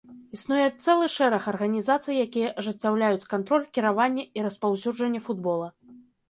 Існуе цэлы шэраг арганізацый, якія ажыццяўляюць кантроль, кіраванне і распаўсюджанне футбола.